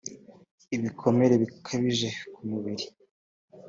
ibikomere bikabije ku mubiri